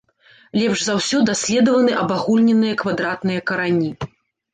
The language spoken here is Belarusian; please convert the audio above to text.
Лепш за ўсё даследаваны абагульненыя квадратныя карані.